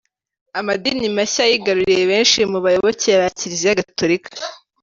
Amadini mashya yigaruriye benshi mu bayoboke ba Kiliziya Gatolika.